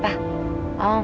terima kasih tante